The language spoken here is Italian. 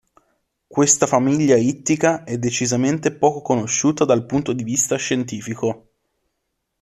Questa famiglia ittica è decisamente poco conosciuta dal punto di vista scientifico.